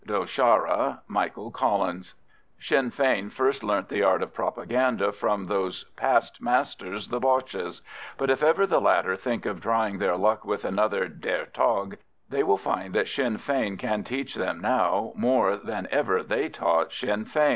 Do Chara, MICHAEL COLLINS. Sinn Fein first learnt the art of propaganda from those pastmasters the Boches; but if ever the latter think of trying their luck with another "Der Tag," they will find that Sinn Fein can teach them now more than ever they taught Sinn Fein.